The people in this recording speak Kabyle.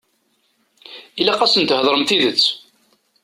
Ilaq asen-theḍṛem tidet.